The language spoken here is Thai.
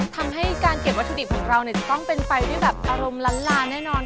ทำให้การเก็บวัตถุดิบของเราจะต้องเป็นไปด้วยแบบอารมณ์ล้านลาแน่นอน